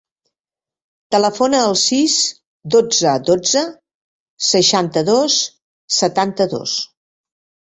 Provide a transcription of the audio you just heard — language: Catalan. Telefona al sis, dotze, dotze, seixanta-dos, setanta-dos.